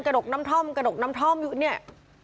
กระดกน้ำท่อมอยู่เนี่ย